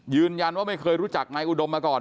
ยืนยันว่าไม่เคยรู้จักใบอุดมมาก่อน